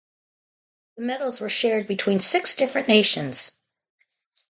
The medals were shared between six different nations.